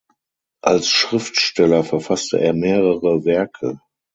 Als Schriftsteller verfasste er mehrere Werke.